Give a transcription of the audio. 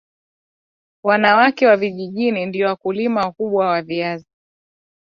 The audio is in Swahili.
wanawake wa vijijini ndio wakulima wakubwa wa viazi